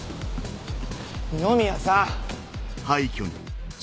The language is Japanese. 二宮さん！